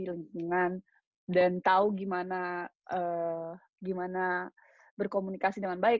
lingkungan dan tahu gimana berkomunikasi dengan baik